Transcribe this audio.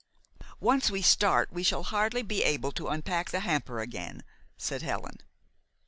"Once we start we shall hardly be able to unpack the hamper again," said Helen.